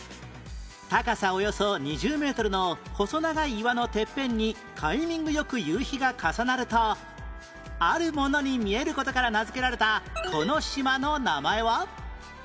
高さおよそ２０メートルの細長い岩のてっぺんにタイミング良く夕日が重なるとあるものに見える事から名づけられたこの島の名前は？